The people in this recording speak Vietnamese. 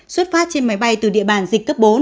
xuất phát trên máy bay từ địa bàn dịch cấp bốn